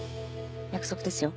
約束ですよ